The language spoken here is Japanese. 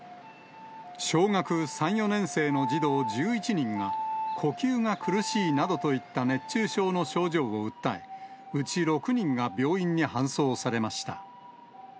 小学３、４年生の児童１１人が、呼吸が苦しいなどといった熱中症の症状を訴え、うち６人が病院に搬送されました。